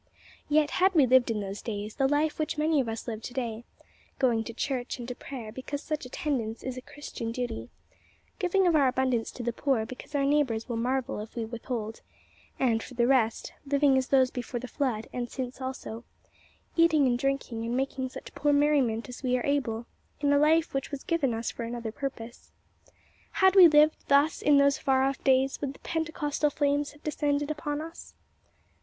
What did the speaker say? Yet had we lived in those days the life which many of us live to day, going to church and to prayer because such attendance is a Christian duty; giving of our abundance to the poor because our neighbors will marvel if we withhold; and for the rest, living as those before the flood, and since also eating and drinking, and making such poor merriment as we are able in a life which was given us for another purpose had we lived thus in those far off days, would the Pentecostal flames have descended upon us?